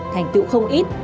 thành tựu không ít